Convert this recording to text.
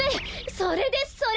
それですそれ！